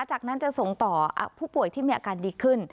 จากนั้นจะส่งต่อผู้ป่วยที่มีอาการดีขึ้น